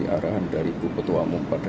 arahan dari bupetua umum pada